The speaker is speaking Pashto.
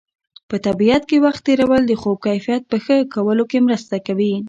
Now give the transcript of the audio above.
په طبیعت کې وخت تېرول د خوب کیفیت په ښه کولو کې مرسته کوي.